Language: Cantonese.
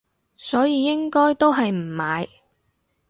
所以應該都係唔買